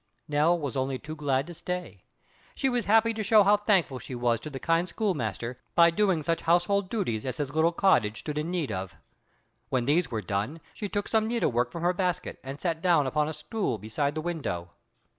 Nell was only too glad to stay. She was happy to show how thankful she was to the kind schoolmaster by doing such household duties as his little cottage stood in need of. When these were done she took some needlework from her basket and sat down upon a stool beside the window.